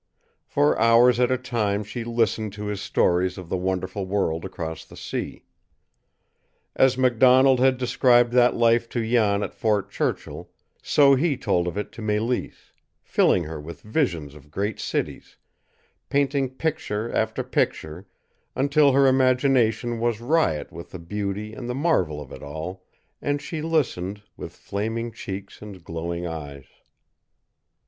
For hours at a time she listened to his stories of the wonderful world across the sea. As MacDonald had described that life to Jan at Fort Churchill, so he told of it to Mélisse, filling her with visions of great cities, painting picture after picture, until her imagination was riot with the beauty and the marvel of it all, and she listened, with flaming cheeks and glowing eyes.